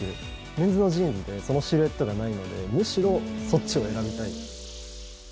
メンズのジーンズでそのシルエットがないのでむしろそっちを選びたい。